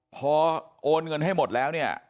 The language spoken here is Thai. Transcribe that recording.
พอโอนเงินให้หมดแล้วเนี่ย